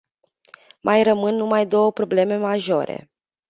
Mai rămân numai două probleme majore.